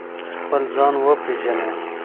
خپل ځان وپیژنئ